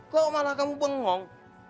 kok malah kamu bengong